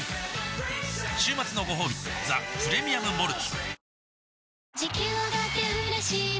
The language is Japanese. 週末のごほうび「ザ・プレミアム・モルツ」